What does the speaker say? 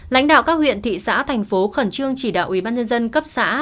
lãnh đạo các huyện thị xã thành phố khẩn trương chỉ đạo ủy ban nhân dân cấp xã